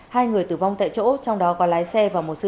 hai người tử vong tại chỗ trong đó có lái xe